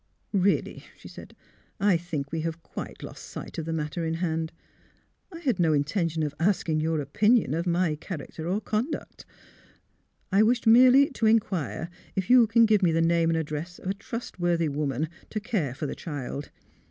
" Eeally," she said, " I think we have quite lost sight of the matter in hand. I had no in tention of asking your opinion of my character or conduct. I wished merely to inquire if you can give me the name and address of a trustworthy woman to care for the child.